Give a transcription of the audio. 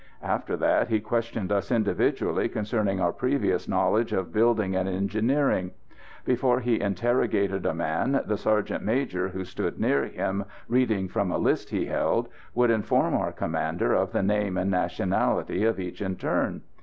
After that he questioned us individually concerning our previous knowledge of building and engineering. Before he interrogated a man, the sergeant major who stood near him reading from a list he held, would inform our commander of the name and nationality of each in turn.